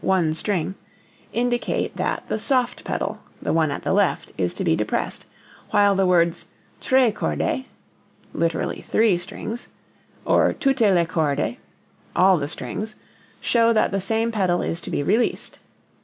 one string) indicate that the "soft pedal" (the one at the left) is to be depressed, while the words tre corde (lit. three strings) or tutte le corde (all the strings) show that the same pedal is to be released.